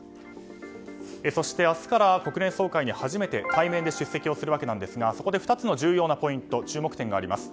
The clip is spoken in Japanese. そして、明日から国連総会に初めて対面で出席するわけですがそこで２つの重要なポイント注目点があります。